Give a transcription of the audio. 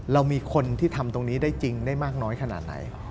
เรามีคนที่ทำตรงนี้ได้จริงได้มากน้อยขนาดไหน